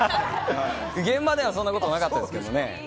現場ではそんなことなかったですけどね。